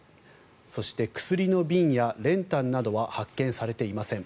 そして、薬の瓶や練炭などは発見されていません。